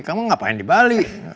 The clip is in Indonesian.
kamu ngapain di bali